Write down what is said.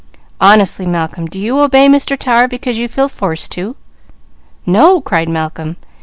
Honestly, Malcolm, do you obey Mr. Tower because you feel forced to?" "No!" cried Malcolm.